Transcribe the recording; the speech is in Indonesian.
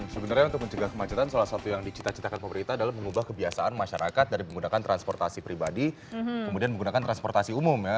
sebenarnya untuk mencegah kemacetan salah satu yang dicita citakan pemerintah adalah mengubah kebiasaan masyarakat dari menggunakan transportasi pribadi kemudian menggunakan transportasi umum ya